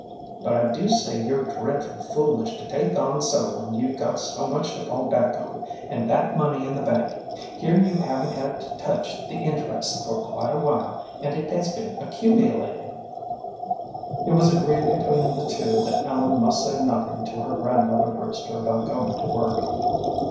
"But I do say you're dreadful foolish to take on so when you've got so much to fall back on, and that money in the bank. Here you haven't had to touch the interest for quite a while and it has been accumulating." It was agreed between the two that Ellen must say nothing to her grandmother Brewster about going to work.